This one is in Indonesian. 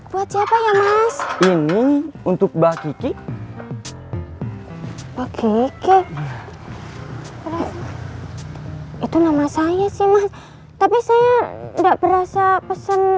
buat siapa ya mas ini untuk bakiki bakiki itu nama saya sih mah tapi saya enggak berasa pesen